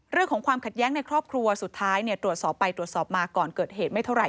เรื่องของความขัดแย้งในครอบครัวสุดท้ายตรวจสอบไปตรวจสอบมาก่อนเกิดเหตุไม่เท่าไห